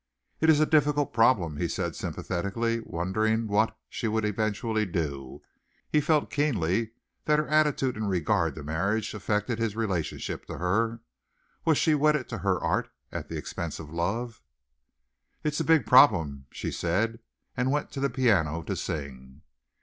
"It is a difficult problem," he said sympathetically, wondering what she would eventually do. He felt keenly that her attitude in regard to marriage affected his relationship to her. Was she wedded to her art at the expense of love? "It's a big problem," she said and went to the piano to sing.